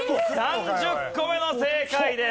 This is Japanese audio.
３０個目の正解です。